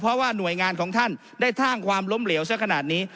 เพราะว่าหน่วยงานของท่านได้สร้างความล้มเหลวสักขนาดนี้